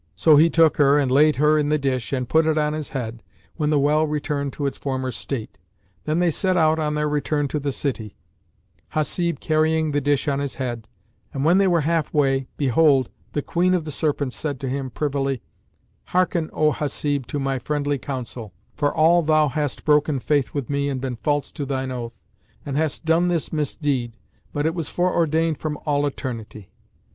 So he took her and laid her in the dish, and put it on his head, when the well returned to its former state. Then they set out on their return to the city, Hasib carrying the dish on his head, and when they were half way behold, the Queen of the Serpents said to him privily, "Hearken, O Hasib, to my friendly counsel, for all thou hast broken faith with me and been false to thine oath, and hast done this misdeed, but it was fore ordained from all eternity."